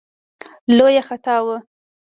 لویه خطا وه.